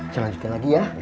saya lanjutin lagi ya